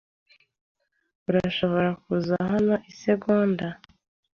Urashobora kuza hano isegonda?